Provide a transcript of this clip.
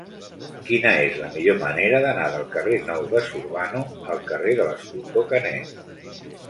Quina és la millor manera d'anar del carrer Nou de Zurbano al carrer de l'Escultor Canet?